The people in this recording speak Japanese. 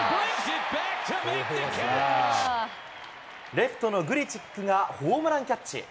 レフトのグリチックがホームランキャッチ。